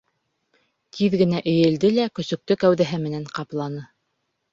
Тиҙ генә эйелде лә көсөктө кәүҙәһе менән ҡапланы.